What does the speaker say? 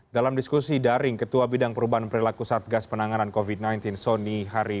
dalam diskusi daring ketua bidang perubahan perilaku satgas penanganan covid sembilan belas soni hari